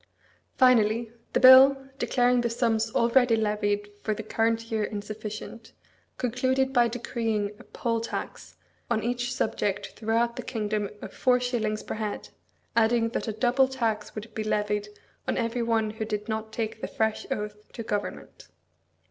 Finally, the bill, declaring the sums already levied for the current year insufficient, concluded by decreeing a poll tax on each subject throughout the kingdom of four shillings per head, adding that a double tax would be levied on every one who did not take the fresh oath to Government.